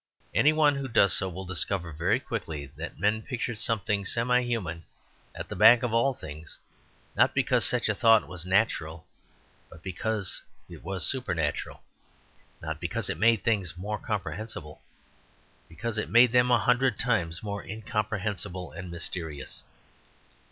Any one who does so will discover very quickly that men pictured something semi human at the back of all things, not because such a thought was natural, but because it was supernatural; not because it made things more comprehensible, but because it made them a hundred times more incomprehensible and mysterious.